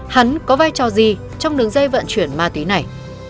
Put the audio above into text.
hắn có vai trò gì trong đường dây vận chuyển ma túy này